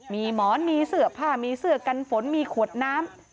มีหมอนมีเสื้อผ้ามีเสื้อกันฝนมีขวดน้ำ